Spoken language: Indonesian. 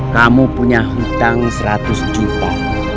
kamu punya hutang seratus juta